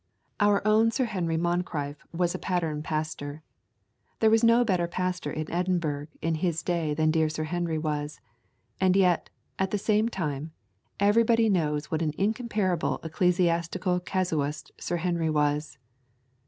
Our own Sir Henry Moncreiff was a pattern pastor. There was no better pastor in Edinburgh in his day than dear Sir Henry was; and yet, at the same time, everybody knows what an incomparable ecclesiastical casuist Sir Henry was.